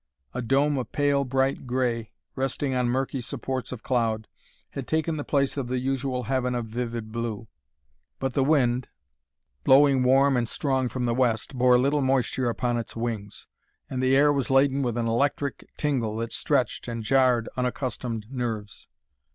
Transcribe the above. A dome of pale, bright gray, resting on murky supports of cloud, had taken the place of the usual heaven of vivid blue. But the wind, blowing warm and strong from the west, bore little moisture upon its wings, and the air was laden with an electric tingle that stretched and jarred unaccustomed nerves.